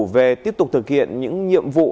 về tiếp tục thực hiện những nhiệm vụ